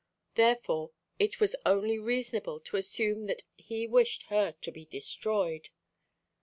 Therefore it was only reasonable to assume that He wished her to be destroyed.